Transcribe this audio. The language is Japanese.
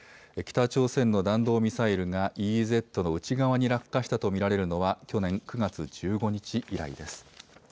北朝鮮の弾道ミサイルがＥＥＺの内側に落下したと見られるのは、去年９月１５日以来です。